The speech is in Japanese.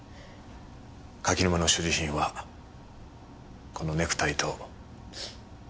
柿沼の所持品はこのネクタイと現金４８２円。